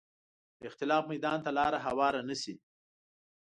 د اختلاف میدان ته لاره هواره نه شي